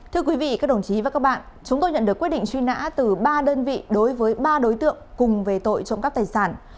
thưa quý vị các đồng chí và các bạn chúng tôi nhận được quyết định truy nã từ ba đơn vị đối với ba đối tượng cùng về tội trộm cắp tài sản